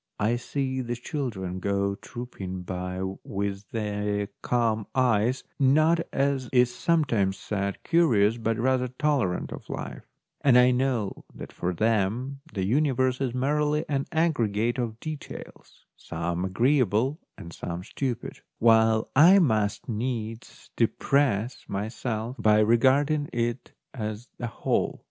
I see the children go trooping by with their calm eyes, not, as is sometimes said, curious, but rather tolerant of life, and I know that for them the universe is merely an aggregate of details, 136 THE DAY BEFORE YESTERDAY some agreeable and some stupid, while I must needs depress myself by regarding it as a whole.